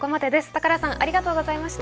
高良さんありがとうございました。